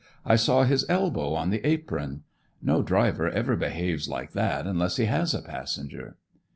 I saw his elbow on the apron. No driver ever behaves like that unless he has a passenger."